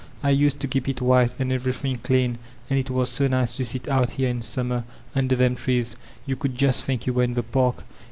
I used to keep it white, and everything dean. And it was so nice to sit out here in summer under them trees. Yoo could just think you were in the park.''